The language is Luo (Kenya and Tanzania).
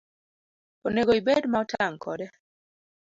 Onego ibed ma otang' kode